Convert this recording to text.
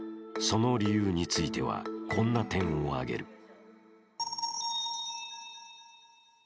その理由についてはこんな点を挙げる。